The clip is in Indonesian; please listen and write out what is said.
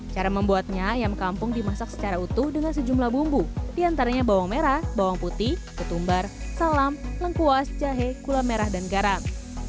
cara membuatnya ayam kampung dimasak secara utuh dengan sejumlah bumbu diantaranya bawang merah bawang putih ketumbar salam lengkuas jahe gula merah dan garam